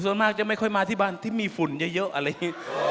ส่วนมากจะไม่ค่อยมาที่บ้านที่มีฝุ่นเยอะอะไรอย่างนี้